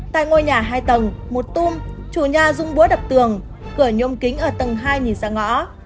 tại ngôi nhà hai tầng một tung chủ nhà dùng búa đập tường cửa nhôm kính ở tầng hai nhìn ra ngõ